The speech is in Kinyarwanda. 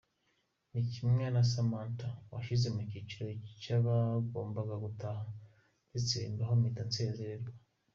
Ni kimwe na Samantha wanshyize mu cyiciro cy’abagombaga gutaha ndetse bimbaho mbita nsezererwa.